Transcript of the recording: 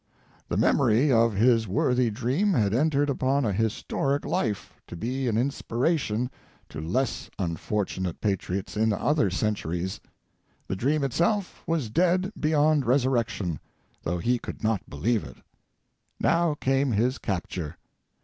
The memory of his worthy dream had entered upon a historic life, to be an inspiration to less unfortunate patriots in other centuries; the dream itself was dead beyond resurrection, though he could not believe it. Now came his capture.